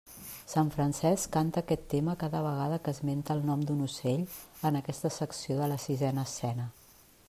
Sant Francesc canta aquest tema cada vegada que esmenta el nom d'un ocell en aquesta secció de la sisena escena.